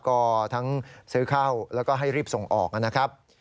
ก็ทั้งซื้อเข้าแล้วก็ให้รีบส่งออกนะครับ